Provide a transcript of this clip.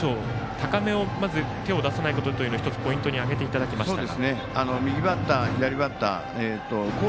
高めに手を出さないことは１つポイントに挙げていただきましたが。